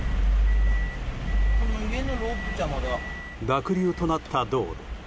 濁流となった道路。